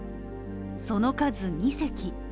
その数２隻。